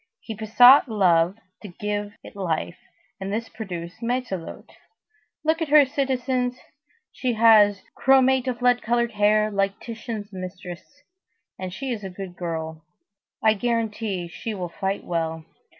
He besought Love to give it life, and this produced Matelote. Look at her, citizens! She has chromate of lead colored hair, like Titian's mistress, and she is a good girl. I guarantee that she will fight well.